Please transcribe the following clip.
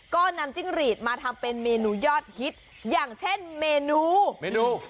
ก็นำจิ้งหรีดมาทำเป็นเมนูยอดฮิตอย่างเช่นเมนูเมนู